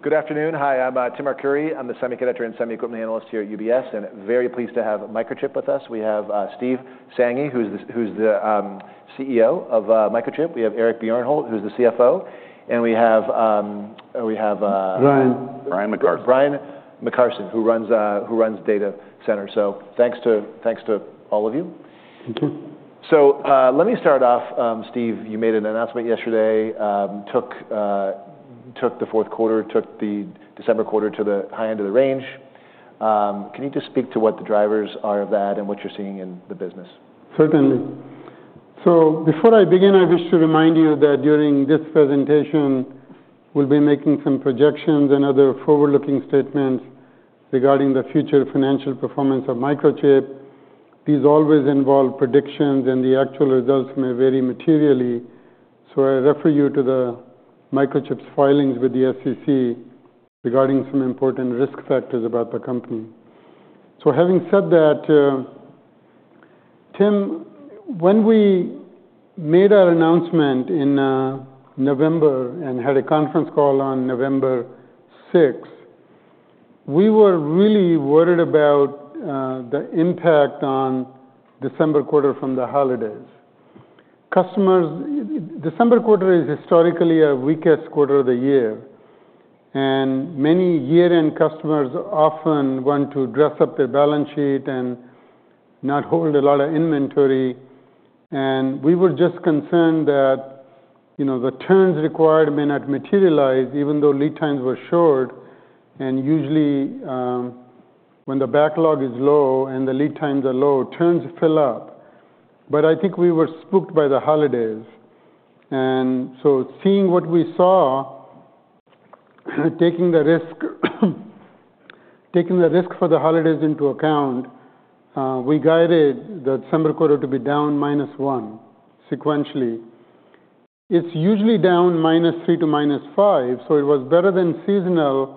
Good afternoon. Hi, I'm Tim Arcuri. I'm the Semiconductor and Semi-Equipment Analyst here at UBS, and very pleased to have Microchip with us. We have Steve Sanghi, who's the CEO of Microchip. We have Eric Bjornholt, who's the CFO. And we have - Brian. Brian McCarson. Brian McCarson, who runs data centers, so thanks to all of you. Thank you. So let me start off. Steve, you made an announcement yesterday, took the fourth quarter, took the December quarter to the high end of the range. Can you just speak to what the drivers are of that and what you're seeing in the business? Certainly. Before I begin, I wish to remind you that during this presentation, we'll be making some projections and other forward-looking statements regarding the future financial performance of Microchip. These always involve predictions, and the actual results may vary materially. I refer you to Microchip's filings with the SEC regarding some important risk factors about the company. Having said that, Tim, when we made our announcement in November and had a conference call on November 6, we were really worried about the impact on December quarter from the holidays. Customers, December quarter is historically our weakest quarter of the year, and many year-end customers often want to dress up their balance sheet and not hold a lot of inventory. We were just concerned that the turns required may not materialize, even though lead times were short. Usually, when the backlog is low and the lead times are low, turns fill up. But I think we were spooked by the holidays. And so seeing what we saw, taking the risk for the holidays into account, we guided the December quarter to be down -1 sequentially. It's usually down -3 to -5, so it was better than seasonal,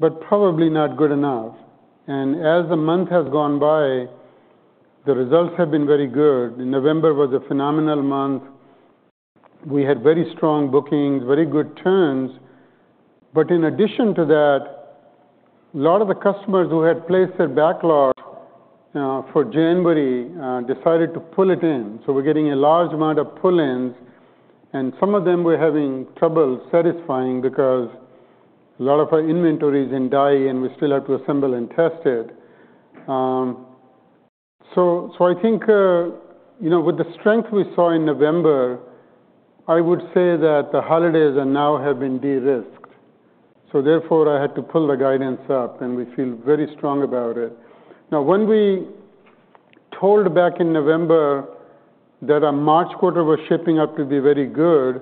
but probably not good enough. As the month has gone by, the results have been very good. November was a phenomenal month. We had very strong bookings, very good turns. In addition to that, a lot of the customers who had placed their backlog for January decided to pull it in. We're getting a large amount of pull-ins, and some of them we're having trouble satisfying because a lot of our inventory is in die, and we still have to assemble and test it. I think with the strength we saw in November, I would say that the holidays now have been de-risked. So therefore, I had to pull the guidance up, and we feel very strong about it. Now, when we told back in November that our March quarter was shaping up to be very good,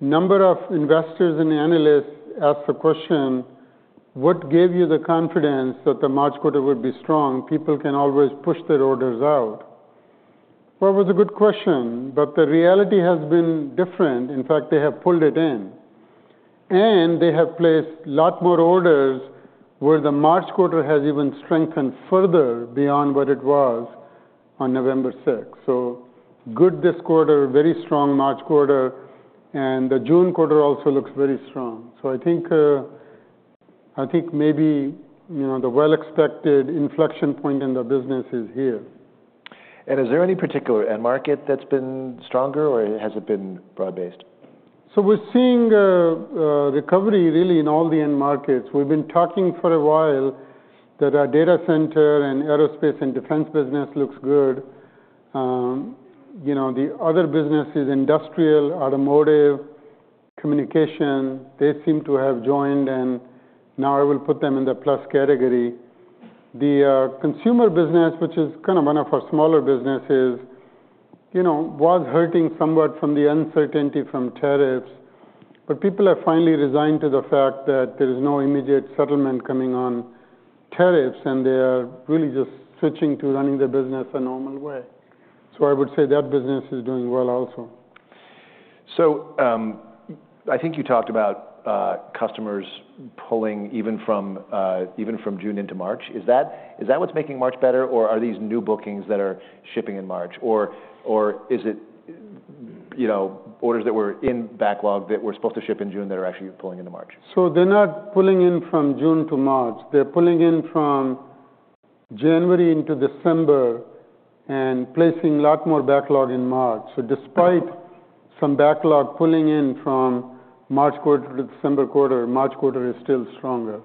a number of investors and analysts asked the question, "What gave you the confidence that the March quarter would be strong? People can always push their orders out." Well, it was a good question, but the reality has been different. In fact, they have pulled it in, and they have placed a lot more orders where the March quarter has even strengthened further beyond what it was on November 6. Good this quarter, very strong March quarter, and the June quarter also looks very strong. So I think maybe the well-expected inflection point in the business is here. Is there any particular end market that's been stronger, or has it been broad-based? We're seeing recovery really in all the end markets. We've been talking for a while that our data center and aerospace and defense business looks good. The other businesses, industrial, automotive, communication, they seem to have joined, and now I will put them in the plus category. The consumer business, which is kind of one of our smaller businesses, was hurting somewhat from the uncertainty from tariffs, but people have finally resigned to the fact that there is no immediate settlement coming on tariffs, and they are really just switching to running their business a normal way. So I would say that business is doing well also. I think you talked about customers pulling even from June into March. Is that what's making March better, or are these new bookings that are shipping in March, or is it orders that were in backlog that were supposed to ship in June that are actually pulling into March? They're not pulling in from June to March. They're pulling in from January into December and placing a lot more backlog in March. Despite some backlog pulling in from March quarter to December quarter, March quarter is still stronger.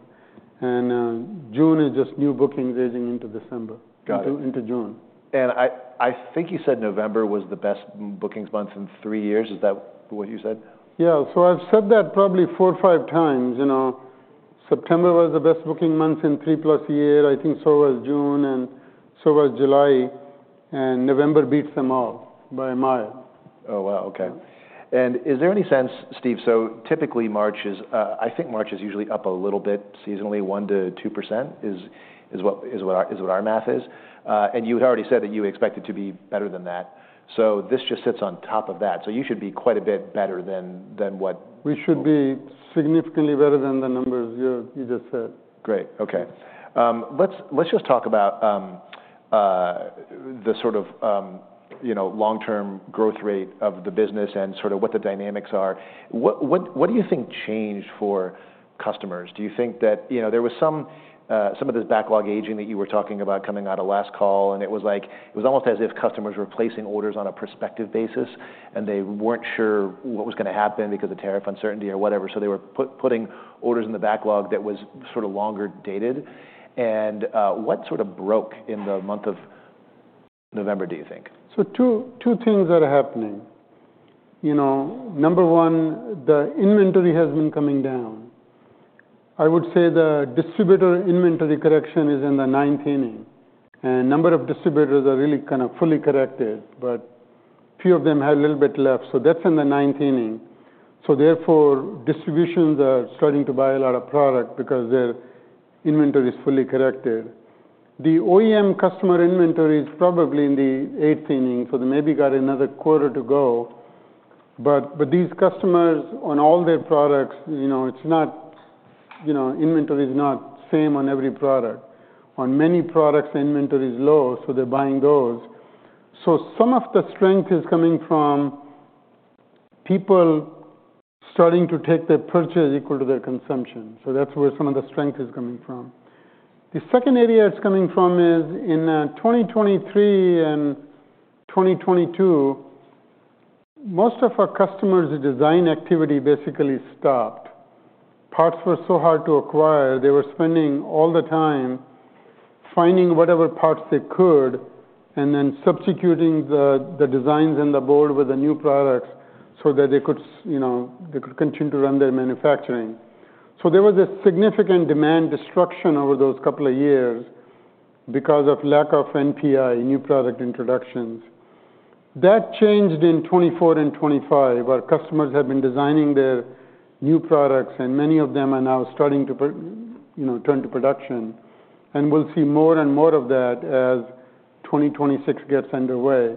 June is just new bookings aging into December, into June. I think you said November was the best bookings month in three years. Is that what you said? Yeah. I've said that probably four or five times. September was the best booking month in 3+ years. I think so was June, and so was July. November beats them all by a mile. Oh, wow. Okay. And is there any sense, Steve? So typically, March is. I think March is usually up a little bit seasonally, 1%-2% is what our math is. You had already said that you expected to be better than that. This just sits on top of that. So you should be quite a bit better than what? We should be significantly better than the numbers you just said. Great. Okay. Let's just talk about the sort of long-term growth rate of the business and sort of what the dynamics are. What do you think changed for customers? Do you think that there was some of this backlog aging that you were talking about coming out of last call, and it was like it was almost as if customers were placing orders on a prospective basis, and they weren't sure what was going to happen because of tariff uncertainty or whatever? They were putting orders in the backlog that was sort of longer dated. What sort of broke in the month of November, do you think? Two things are happening. Number one, the inventory has been coming down. I would say the distributor inventory correction is in the ninth inning, and a number of distributors are really kind of fully corrected, but a few of them have a little bit left. So that's in the ninth inning. So therefore, distributors are starting to buy a lot of product because their inventory is fully corrected. The OEM customer inventory is probably in the eighth inning, so they maybe got another quarter to go. But these customers, on all their products, it's not, inventory is not same on every product. On many products, inventory is low, so they're buying those. Some of the strength is coming from people starting to take their purchase equal to their consumption. So that's where some of the strength is coming from. The second area it's coming from is in 2023 and 2022, most of our customers' design activity basically stopped. Parts were so hard to acquire. They were spending all the time finding whatever parts they could and then substituting the designs in the board with the new products so that they could continue to run their manufacturing. So there was a significant demand destruction over those couple of years because of lack of NPI, new product introductions. That changed in 2024 and 2025. Our customers have been designing their new products, and many of them are now starting to turn to production, and we'll see more and more of that as 2026 gets underway.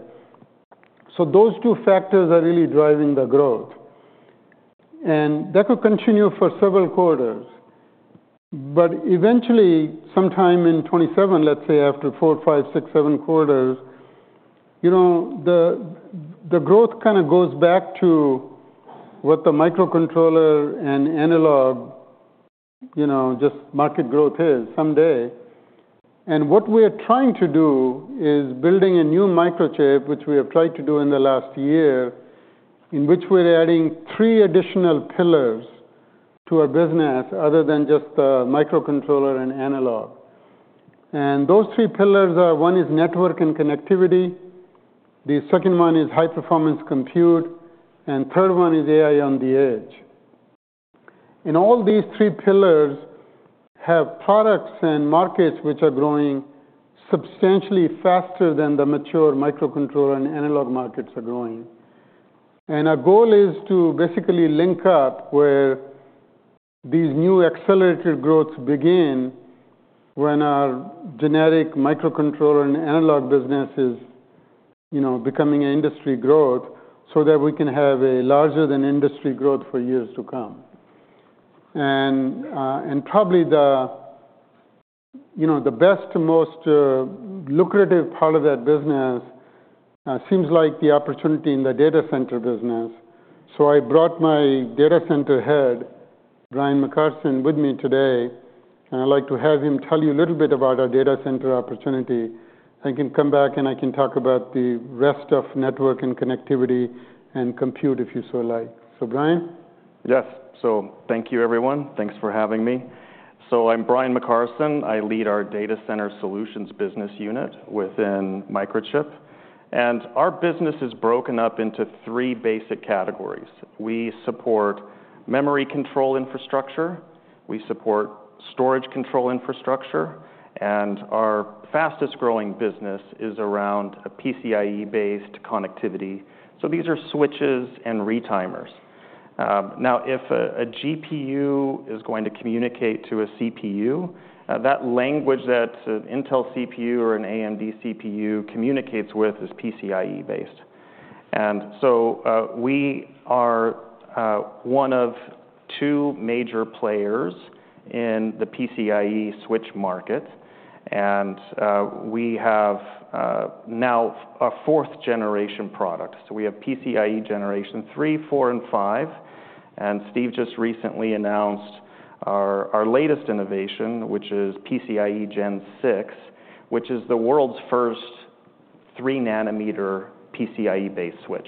Those two factors are really driving the growth. That could continue for several quarters. Eventually, sometime in 2027, let's say after four, five, six, seven quarters, the growth kind of goes back to what the microcontroller and analog and mixed-signal market growth is someday. What we are trying to do is building a new Microchip, which we have tried to do in the last year, in which we're adding three additional pillars to our business other than just the microcontroller and analog and mixed-signal. And those three pillars are: one is network and connectivity. The second one is high-performance compute. And third one is AI on the edge. And all these three pillars have products and markets which are growing substantially faster than the mature microcontroller and analog and mixed-signal markets are growing. Our goal is to basically link up where these new accelerated growths begin when our generic microcontroller and analog business is becoming an industry growth so that we can have a larger-than-industry growth for years to come. Probably the best, most lucrative part of that business seems like the opportunity in the data center business. So I brought my data center head, Brian McCarson, with me today, and I'd like to have him tell you a little bit about our data center opportunity. I can come back, and I can talk about the rest of network and connectivity and compute, if you so like. So, Brian? Yes. So thank you, everyone. Thanks for having me. I'm Brian McCarson. I lead our data center solutions business unit within Microchip. Our business is broken up into three basic categories. We support memory control infrastructure. We support storage control infrastructure. And our fastest-growing business is around PCIe-based connectivity. These are switches and retimers. Now, if a GPU is going to communicate to a CPU, that language that an Intel CPU or an AMD CPU communicates with is PCIe-based. And so we are one of two major players in the PCIe switch market. We have now a 4th-generation product. So we have PCIe generation three, four, and five. Steve just recently announced our latest innovation, which is PCIe Gen 6, which is the world's first three-nanometer PCIe-based switch.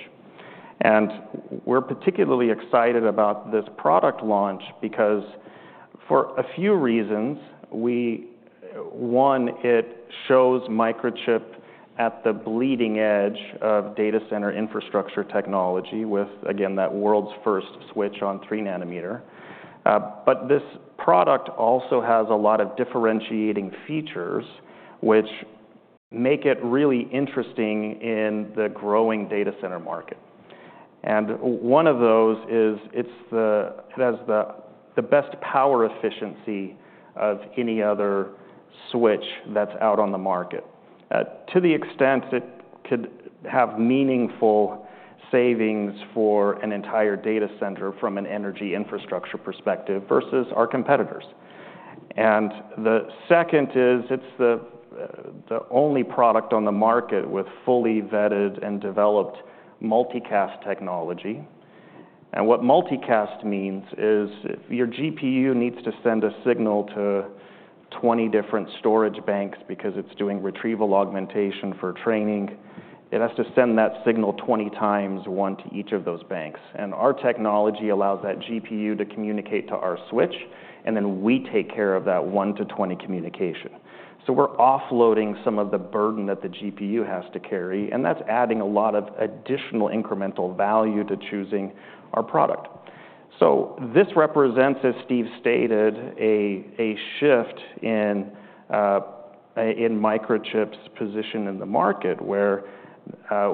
We're particularly excited about this product launch because for a few reasons. One, it shows Microchip at the bleeding edge of data center infrastructure technology with, again, that world's first switch on three-nanometer. This product also has a lot of differentiating features which make it really interesting in the growing data center market. One of those is it has the best power efficiency of any other switch that's out on the market to the extent it could have meaningful savings for an entire data center from an energy infrastructure perspective versus our competitors. The second is it's the only product on the market with fully vetted and developed multicast technology. What multicast means is your GPU needs to send a signal to 20 different storage banks because it's doing retrieval augmentation for training. It has to send that signal 20 times, one to each of those banks. Our technology allows that GPU to communicate to our switch, and then we take care of that one-to-twenty communication. So we're offloading some of the burden that the GPU has to carry, and that's adding a lot of additional incremental value to choosing our product. This represents, as Steve stated, a shift in Microchip's position in the market where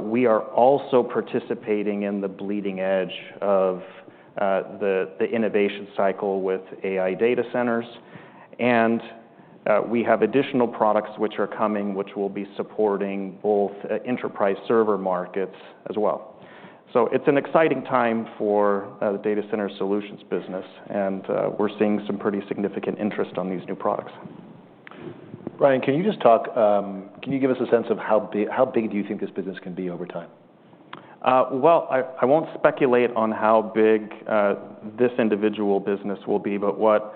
we are also participating in the bleeding edge of the innovation cycle with AI data centers. We have additional products which are coming, which will be supporting both enterprise server markets as well. So it's an exciting time for the data center solutions business, and we're seeing some pretty significant interest on these new products. Brian, can you just talk? Can you give us a sense of how big do you think this business can be over time? I won't speculate on how big this individual business will be, but what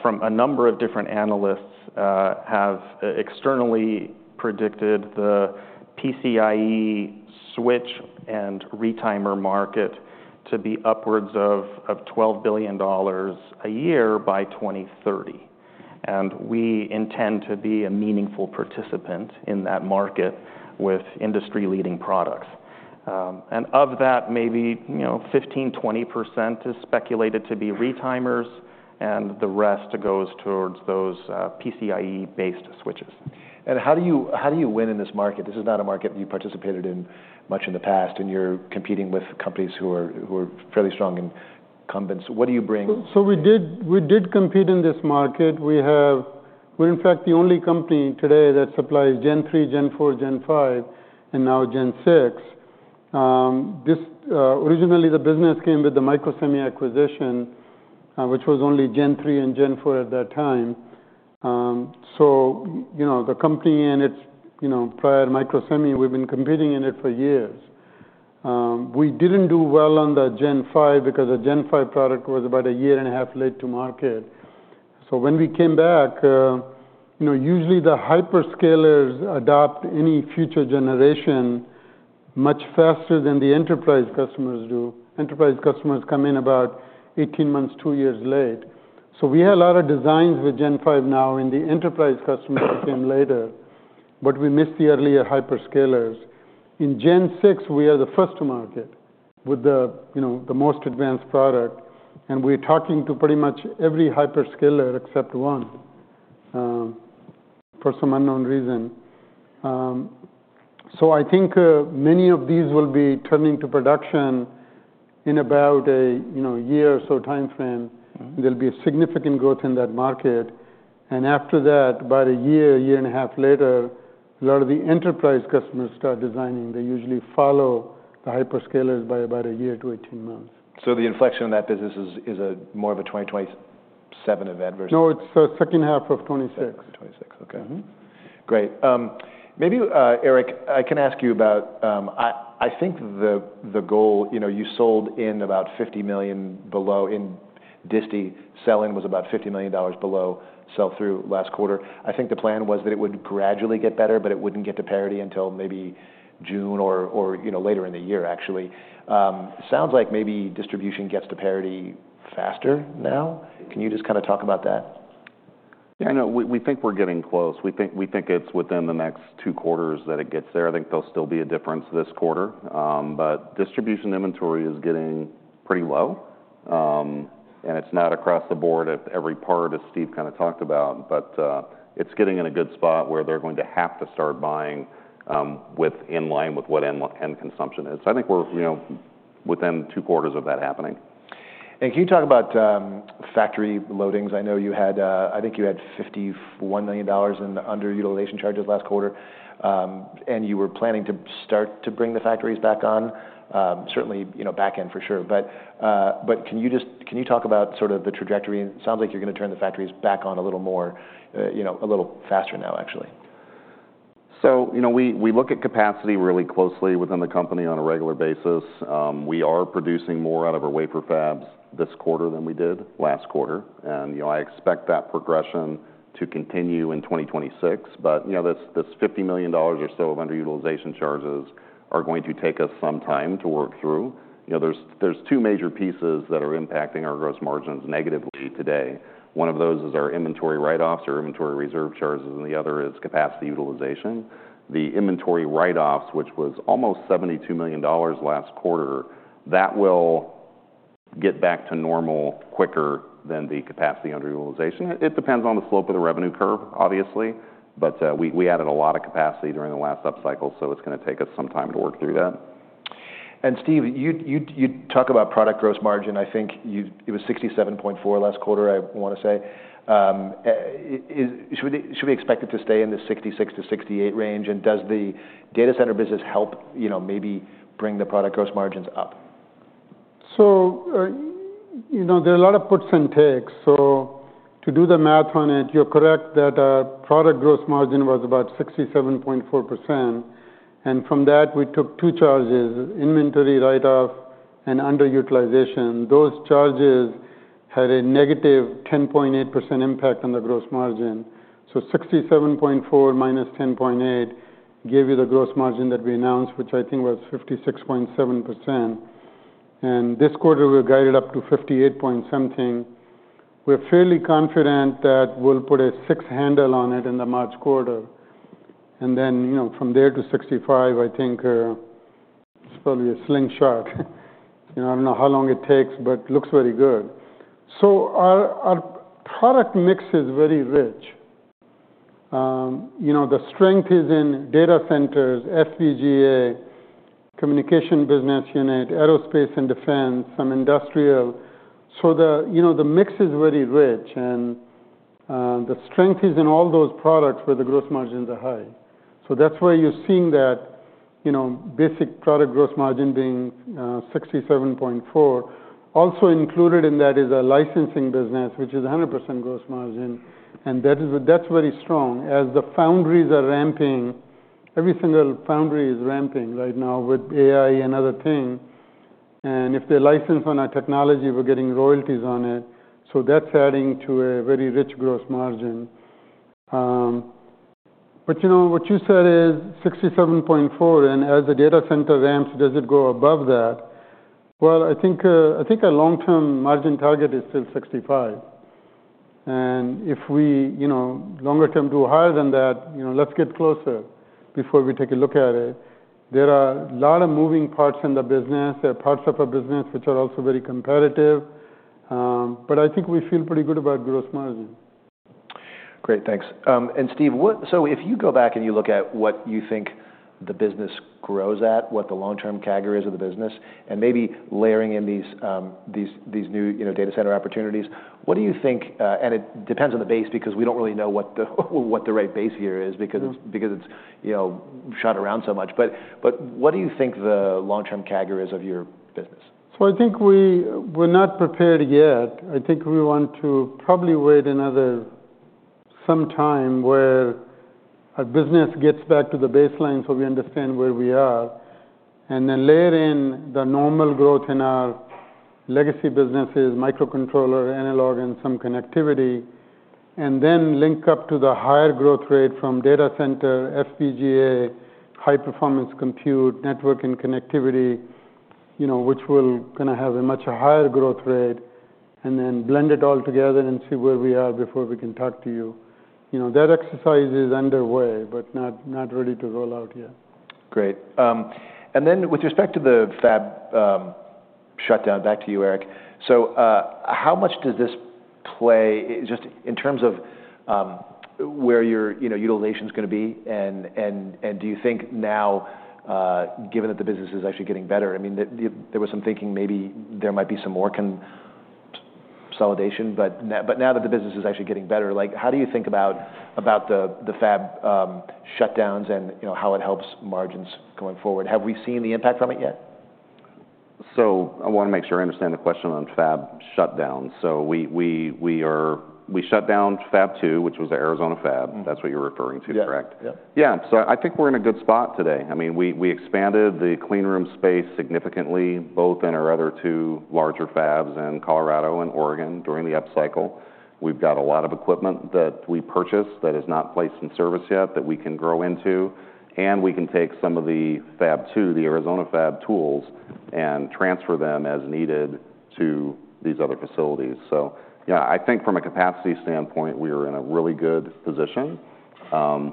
from a number of different analysts have externally predicted the PCIe switch and retimer market to be upwards of $12 billion a year by 2030. We intend to be a meaningful participant in that market with industry-leading products. Of that, maybe 15%-20% is speculated to be retimers, and the rest goes towards those PCIe-based switches. How do you win in this market? This is not a market you participated in much in the past, and you're competing with companies who are fairly strong incumbents. What do you bring? We did compete in this market. We're, in fact, the only company today that supplies Gen 3, Gen 4, Gen 5, and now Gen 6. Originally, the business came with the Microsemi acquisition, which was only Gen 3 and Gen 4 at that time. So the company and its prior Microsemi, we've been competing in it for years. We didn't do well on the Gen 5 because the Gen 5 product was about a year and a half late to market. So when we came back, usually the hyperscalers adopt any future generation much faster than the enterprise customers do. Enterprise customers come in about 18 months, two years late. We had a lot of designs with Gen 5 now, and the enterprise customers came later, but we missed the earlier hyperscalers. In Gen 6, we are the first to market with the most advanced product, and we're talking to pretty much every hyperscaler except one for some unknown reason. I think many of these will be turning to production in about a year or so time frame. There'll be a significant growth in that market. After that, about a year, year and a half later, a lot of the enterprise customers start designing. They usually follow the hyperscalers by about a year to 18 months. So the inflection of that business is more of a 2027 event versus? No, it's the second half of 2026. Okay. Great. Maybe, Eric, I can ask you about I think the goal you sold in about $50 million below in DiSTI sell-in was about $50 million below sell-through last quarter. I think the plan was that it would gradually get better, but it wouldn't get to parity until maybe June or later in the year, actually. Sounds like maybe distribution gets to parity faster now. Can you just kind of talk about that? Yeah. We think we're getting close. We think it's within the next two quarters that it gets there. I think there'll still be a difference this quarter. Distribution inventory is getting pretty low, and it's not across the board at every part as Steve kind of talked about, but it's getting in a good spot where they're going to have to start buying in line with what end consumption is. I think we're within two quarters of that happening. Can you talk about factory loadings? I know, I think you had $51 million in underutilization charges last quarter, and you were planning to start to bring the factories back on. Certainly back end, for sure. Can you talk about sort of the trajectory? It sounds like you're going to turn the factories back on a little more, a little faster now, actually. We look at capacity really closely within the company on a regular basis. We are producing more out of our wafer Fabs this quarter than we did last quarter. And I expect that progression to continue in 2026. This $50 million or so of underutilization charges are going to take us some time to work through. There's two major pieces that are impacting our gross margins negatively today. One of those is our inventory write-offs, our inventory reserve charges, and the other is capacity utilization. The inventory write-offs, which was almost $72 million last quarter, that will get back to normal quicker than the capacity underutilization. It depends on the slope of the revenue curve, obviously. But we added a lot of capacity during the last upcycle, so it's going to take us some time to work through that. Steve, you talk about product gross margin. I think it was 67.4% last quarter, I want to say. Should we expect it to stay in the 66%-68% range? And does the data center business help maybe bring the product gross margins up? There are a lot of puts and takes. To do the math on it, you're correct that our product gross margin was about 67.4%. From that, we took two charges: inventory write-off and underutilization. Those charges had a -10.8% impact on the gross margin. 67.4% - 10.8% gave you the gross margin that we announced, which I think was 56.7%. This quarter, we're guided up to 58 point something. We're fairly confident that we'll put a six handle on it in the March quarter. From there to 65%, I think it's probably a slingshot. I don't know how long it takes, but it looks very good. Our product mix is very rich. The strength is in data centers, FPGA, communication business unit, aerospace and defense, some industrial. The mix is very rich, and the strength is in all those products where the gross margins are high. That's why you're seeing that basic product gross margin being 67.4%. Also included in that is a licensing business, which is 100% gross margin, and that's very strong. As the foundries are ramping, every single foundry is ramping right now with AI and other things. And if they license on our technology, we're getting royalties on it. That's adding to a very rich gross margin. But what you said is 67.4%, and as the data center ramps, does it go above that? Well, I think our long-term margin target is still 65%. And if we longer term do higher than that, let's get closer before we take a look at it. There are a lot of moving parts in the business. There are parts of our business which are also very competitive. But I think we feel pretty good about gross margin. Great. Thanks. And Steve, so if you go back and you look at what you think the business grows at, what the long-term categories of the business, and maybe layering in these new data center opportunities, what do you think? And it depends on the base because we don't really know what the right base here is because it's shot around so much. But what do you think the long-term categories of your business? I think we're not prepared yet. I think we want to probably wait another some time where our business gets back to the baseline so we understand where we are, and then layer in the normal growth in our legacy businesses, microcontroller, analog, and some connectivity, and then link up to the higher growth rate from data center, FPGA, high-performance compute, network, and connectivity, which will kind of have a much higher growth rate, and then blend it all together and see where we are before we can talk to you. That exercise is underway, but not ready to roll out yet. Great, and then with respect to the Fab shutdown, back to you, Eric, so how much does this play just in terms of where your utilization is going to be, and do you think now, given that the business is actually getting better? I mean, there was some thinking maybe there might be some more consolidation, but now that the business is actually getting better, how do you think about the Fab shutdowns and how it helps margins going forward? Have we seen the impact from it yet? I want to make sure I understand the question on Fab shutdowns. So we shut down Fab 2, which was the Arizona Fab. That's what you're referring to, correct? Yeah. Yeah. So I think we're in a good spot today. I mean, we expanded the cleanroom space significantly, both in our other two larger Fabs in Colorado and Oregon during the upcycle. We've got a lot of equipment that we purchased that is not placed in service yet that we can grow into, and we can take some of the Fab 2, the Arizona Fab tools, and transfer them as needed to these other facilities. So I think from a capacity standpoint, we are in a really good position.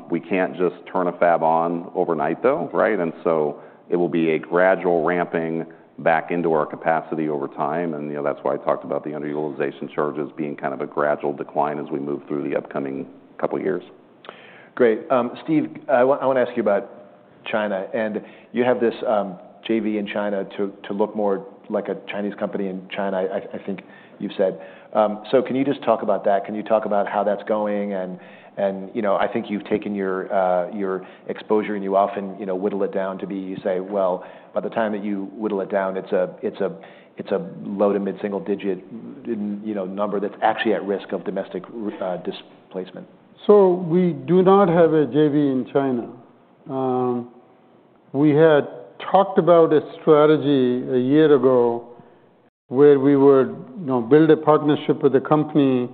We can't just turn a Fab on overnight, though, right? And so it will be a gradual ramping back into our capacity over time. And that's why I talked about the underutilization charges being kind of a gradual decline as we move through the upcoming couple of years. Great. Steve, I want to ask you about China. And you have this JV in China to look more like a Chinese company in China, I think you've said. So can you just talk about that? Can you talk about how that's going? And I think you've taken your exposure and you often whittle it down to be, you say, well, by the time that you whittle it down, it's a low to mid-single digit number that's actually at risk of domestic displacement. We do not have a JV in China. We had talked about a strategy a year ago where we would build a partnership with a company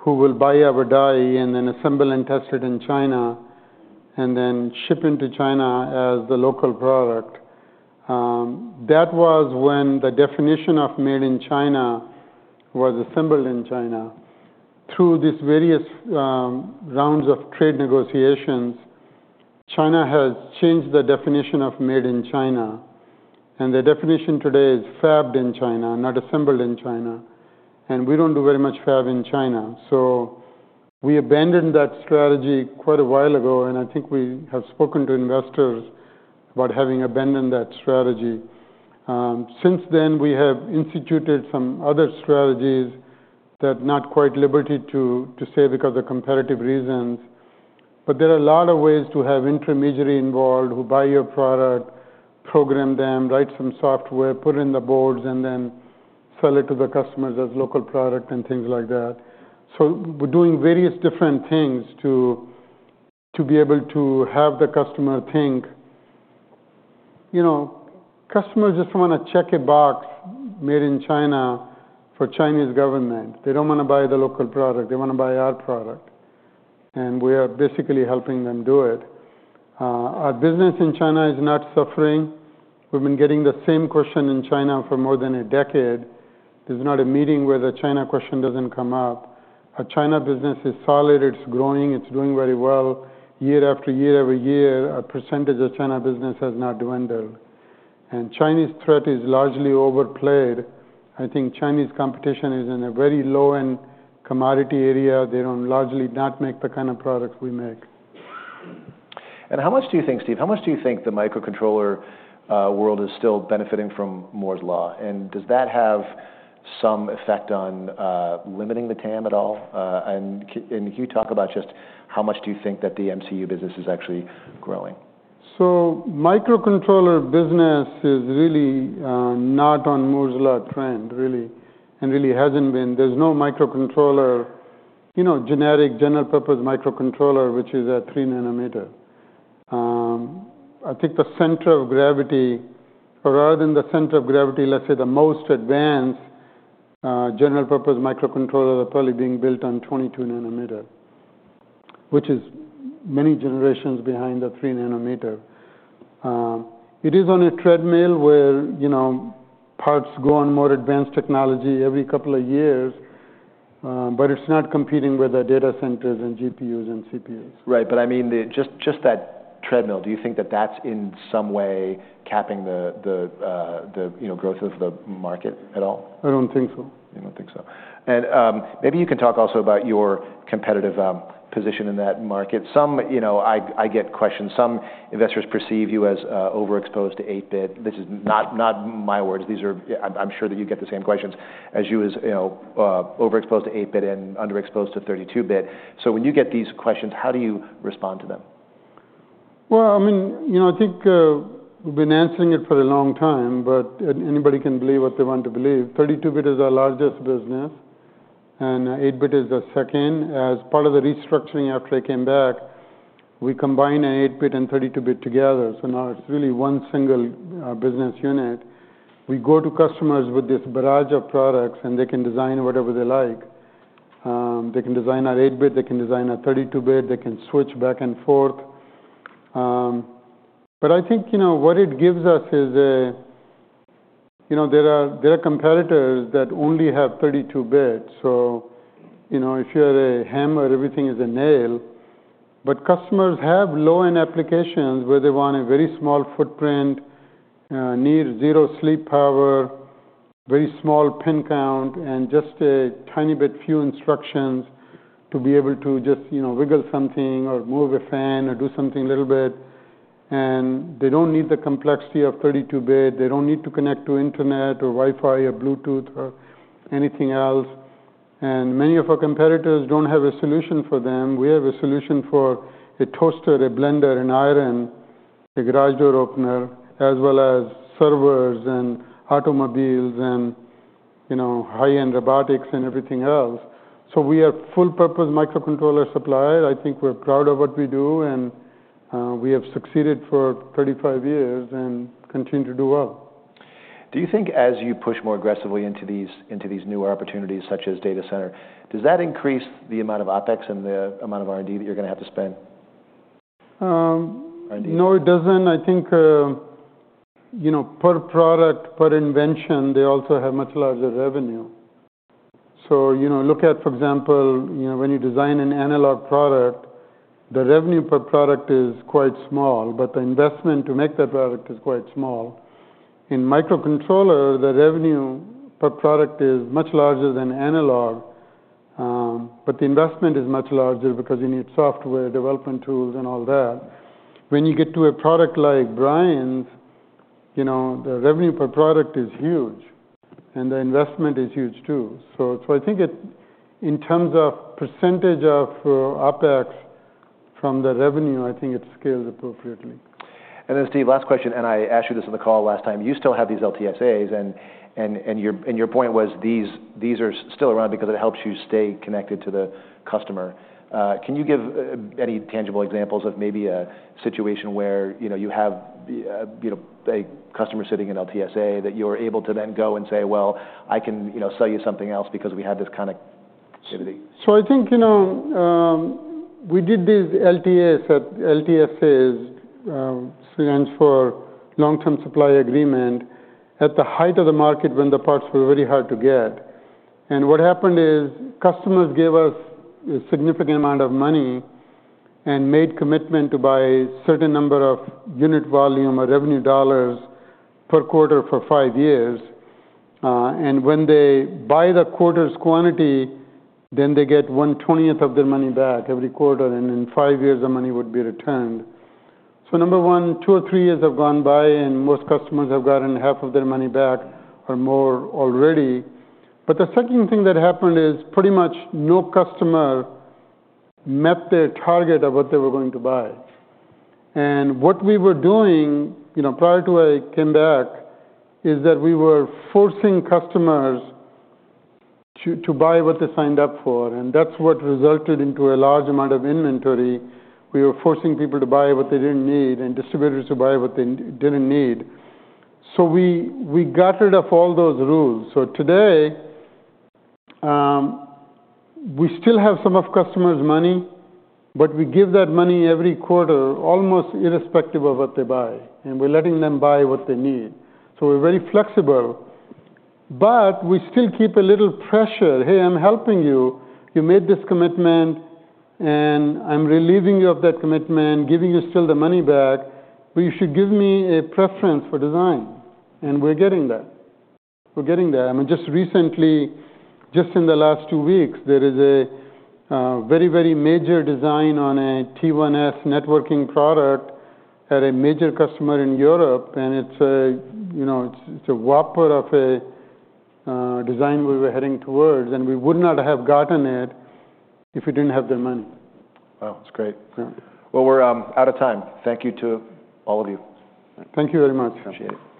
who will buy our die and then assemble and test it in China and then ship into China as the local product. That was when the definition of made in China was assembled in China. Through these various rounds of trade negotiations, China has changed the definition of made in China. The definition today is Fabbed in China, not assembled in China. We don't do very much Fab in China. We abandoned that strategy quite a while ago, and I think we have spoken to investors about having abandoned that strategy. Since then, we have instituted some other strategies that we are not at liberty to say because of competitive reasons. There are a lot of ways to have intermediary involved who buy your product, program them, write some software, put it in the boards, and then sell it to the customers as local product and things like that. We're doing various different things to be able to have the customer think customers just want to check a box made in China for Chinese government. They don't want to buy the local product. They want to buy our product, and we are basically helping them do it. Our business in China is not suffering. We've been getting the same question in China for more than a decade. There's not a meeting where the China question doesn't come up. Our China business is solid. It's growing. It's doing very well year after year every year. Our percentage of China business has not dwindled. Chinese threat is largely overplayed. I think Chinese competition is in a very low-end commodity area. They don't largely not make the kind of products we make. And how much do you think, Steve? How much do you think the microcontroller world is still benefiting from Moore's Law? And does that have some effect on limiting the TAM at all? And can you talk about just how much do you think that the MCU business is actually growing? Microcontroller business is really not on Moore's Law trend, really, and really hasn't been. There's no microcontroller, generic general purpose microcontroller, which is at three nanometers. I think the center of gravity, or rather than the center of gravity, let's say the most advanced general purpose microcontroller is probably being built on 22 nanometers, which is many generations behind the three nanometers. It is on a treadmill where parts go on more advanced technology every couple of years, but it's not competing with our data centers and GPUs and CPUs. Right. But I mean, just that treadmill, do you think that that's in some way capping the growth of the market at all? I don't think so. You don't think so, and maybe you can talk also about your competitive position in that market. I get questions. Some investors perceive you as overexposed to 8-bit. This is not my words. I'm sure that you get the same questions as you overexposed to 8-bit and underexposed to 32-bit, so when you get these questions, how do you respond to them? Well, I mean, I think we've been answering it for a long time, but anybody can believe what they want to believe. 32-bit is our largest business, and 8-bit is the second. As part of the restructuring after I came back, we combined 8-bit and 32-bit together. Now it's really one single business unit. We go to customers with this barrage of products, and they can design whatever they like. They can design our 8-bit. They can design our 32-bit. They can switch back and forth. But I think what it gives us is there are competitors that only have 32-bit. So if you're a hammer, everything is a nail. Customers have low-end applications where they want a very small footprint, near zero sleep power, very small pin count, and just a tiny bit few instructions to be able to just wiggle something or move a fan or do something a little bit. They don't need the complexity of 32-bit. They don't need to connect to internet or Wi-Fi or Bluetooth or anything else. Many of our competitors don't have a solution for them. We have a solution for a toaster, a blender, an iron, a garage door opener, as well as servers and automobiles and high-end robotics and everything else. We are full-purpose microcontroller supplier. I think we're proud of what we do, and we have succeeded for 35 years and continue to do well. Do you think as you push more aggressively into these new opportunities, such as data center, does that increase the amount of OpEx and the amount of R&D that you're going to have to spend? No, it doesn't. I think per product, per invention, they also have much larger revenue. So look at, for example, when you design an analog product, the revenue per product is quite small, but the investment to make that product is quite small. In microcontroller, the revenue per product is much larger than analog, but the investment is much larger because you need software, development tools, and all that. When you get to a product like Brian's, the revenue per product is huge, and the investment is huge too. So I think in terms of percentage of OpEx from the revenue, I think it scales appropriately. Then, Steve, last question, and I asked you this on the call last time. You still have these LTSAs, and your point was these are still around because it helps you stay connected to the customer. Can you give any tangible examples of maybe a situation where you have a customer sitting in LTSA that you're able to then go and say, "Well, I can sell you something else because we have this kind of capability"? I think we did these LTSAs, which stands for long-term supply agreement, at the height of the market when the parts were very hard to get, and what happened is customers gave us a significant amount of money and made commitment to buy a certain number of unit volume or revenue dollars per quarter for five years. When they buy the quarter's quantity, then they get one-twentieth of their money back every quarter, and in five years, the money would be returned. Number one, two or three years have gone by, and most customers have gotten half of their money back or more already, but the second thing that happened is pretty much no customer met their target of what they were going to buy. And what we were doing prior to I came back is that we were forcing customers to buy what they signed up for. And that's what resulted into a large amount of inventory. We were forcing people to buy what they didn't need and distributors to buy what they didn't need. So we got rid of all those rules. So today, we still have some of customers' money, but we give that money every quarter, almost irrespective of what they buy. And we're letting them buy what they need. So we're very flexible. But we still keep a little pressure, "Hey, I'm helping you. You made this commitment, and I'm relieving you of that commitment, giving you still the money back. But you should give me a preference for design." And we're getting that. We're getting that. I mean, just recently, just in the last two weeks, there is a very, very major design on a T1S networking product at a major customer in Europe, and it's a whopper of a design we were heading towards, and we would not have gotten it if we didn't have the money. Wow. That's great. Well, we're out of time. Thank you to all of you. Thank you very much. Appreciate it.